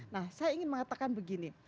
nah saya ingin mengatakan begini